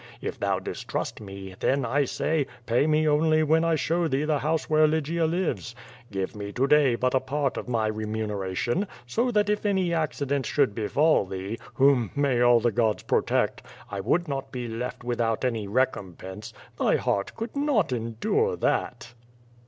If thou distrust me, then, I say, pay me only when I show thee the house where Lygia lives. Give me to day but a part of my remun eration, so that if any accident should befall thee (whom may all the gods protect), I would not be left without any recom pense. Thy heart could not endure that."